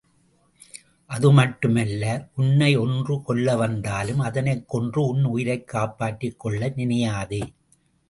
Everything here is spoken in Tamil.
அது மட்டுமல்ல உன்னை ஒன்று கொல்ல வந்தாலும் அதனைக் கொன்று உன் உயிரைக் காப்பாற்றிக்கொள்ள நினையாதே.